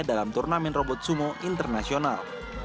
dalam turnamen robot sumo internasional